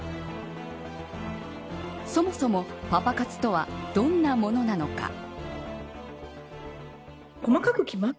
そもそも、パパ活とはどんなものなのか。